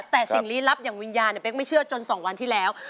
แต่สิ่งลี้ลับอย่างวิญญาณเนี่ยเป๊กไม่เชื่อจน๒วันที่แล้ว